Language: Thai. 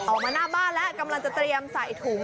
ออกมาหน้าบ้านแล้วกำลังจะเตรียมใส่ถุง